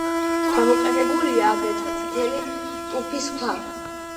გამოყენებულია აგრეთვე წითელი ტუფის ქვა.